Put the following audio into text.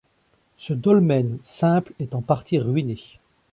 Ce dolmen simple est en partie ruiné.